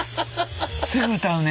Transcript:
すぐ歌うね。